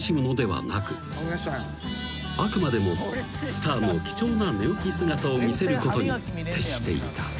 ［あくまでもスターの貴重な寝起き姿を見せることに徹していた］